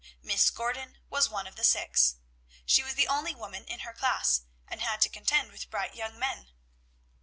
Miss Gordon was one of the six. She was the only woman in her class, and had to contend with bright young men.'